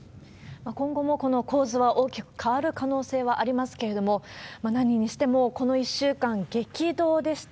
今後もこの構図は大きく変わる可能性はありますけれども、何にしても、この１週間激動でした。